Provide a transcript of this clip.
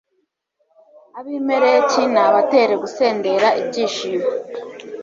abimeleki nabatere gusendera ibyishimo